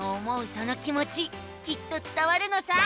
その気もちきっとつたわるのさ。